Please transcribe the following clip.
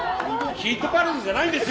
「ヒットパレード」じゃないんですよ。